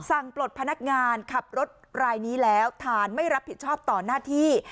ปลดพนักงานขับรถรายนี้แล้วฐานไม่รับผิดชอบต่อหน้าที่